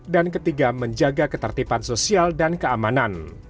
dan ketiga menjaga ketertiban sosial dan keamanan